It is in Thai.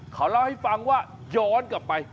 เขาเล่าให้ฟังว่าย้อนกลับไป